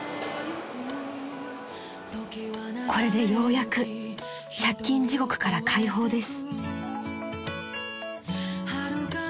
［これでようやく借金地獄から解放です］